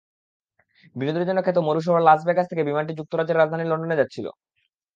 বিনোদনের জন্য খ্যাত মরু শহর লাস ভেগাস থেকে বিমানটি যুক্তরাজ্যের রাজধানী লন্ডনে যাচ্ছিল।